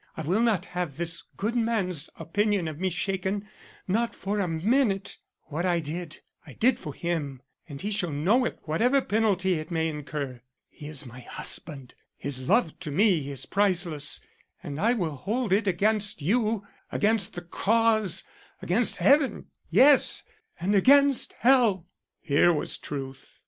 I will not have this good man's opinion of me shaken; not for a minute; what I did, I did for him and he shall know it whatever penalty it may incur. He is my husband his love to me is priceless, and I will hold it against you against the Cause against Heaven yes, and against Hell." Here was truth.